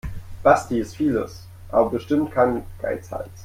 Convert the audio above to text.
Basti ist vieles, aber bestimmt kein Geizhals.